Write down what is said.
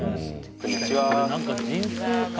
こんにちは。